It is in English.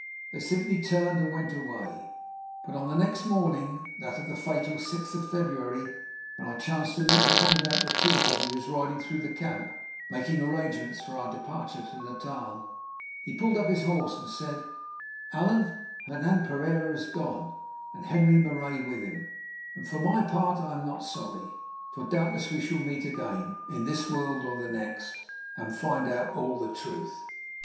They simply turned and went away. But on the next morning, that of the fatal 6th of February, when I chanced to meet the Commandant Retief as he was riding through the camp making arrangements for our departure to Natal, he pulled up his horse and said: "Allan, Hernan Pereira has gone, and Henri Marais with him, and for my part I am not sorry, for doubtless we shall meet again, in this world or the next, and find out all the truth.